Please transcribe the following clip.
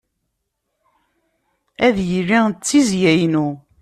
Ad yili d tizzya-inu.